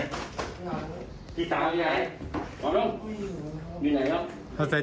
เยี่ยมข้างบน